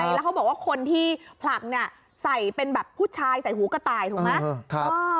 แล้วเขาบอกว่าคนที่ผลักเนี่ยใส่เป็นแบบผู้ชายใส่หูกระต่ายถูกไหม